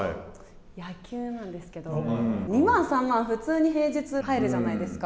野球なんですけれども、２万３万普通に平日に入るじゃないですか。